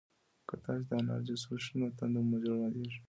که تاسي د انار جوس وڅښئ نو تنده مو ژر ماتیږي.